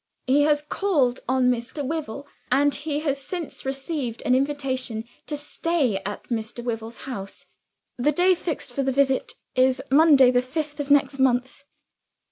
He has called on Mr. Wyvil; and he has since received an invitation to stay at Mr. Wyvil's house. The day fixed for the visit is Monday, the fifth of next month."